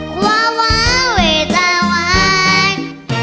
หวาวะเวตาวาน